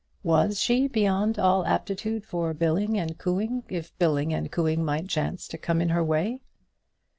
Was she beyond all aptitude for billing and cooing, if billing and cooing might chance to come in her way?